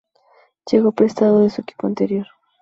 Llegó prestado de su equipo anterior.